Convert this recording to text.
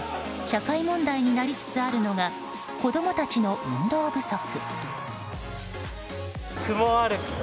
社会問題になりつつあるのが子供たちの運動不足。